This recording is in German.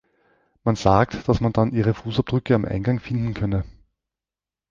Man sagt, dass man dann ihre Fußabdrücke am Eingang finden könne.